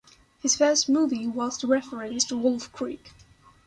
His first movie was the referenced Wolf Creek.